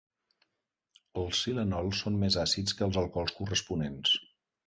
Els silanols són més àcids que els alcohols corresponents.